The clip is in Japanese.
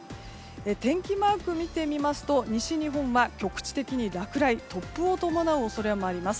天気マークを見てみますと西日本は局地的に落雷突風を伴う恐れもあります。